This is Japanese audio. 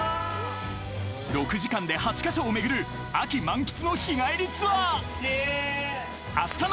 ６時間で８か所を巡る秋満喫の日帰りツアー。